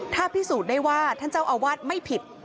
ถ้าพิสูจน์ได้ว่าท่านเจ้าอาวาสไม่ผิด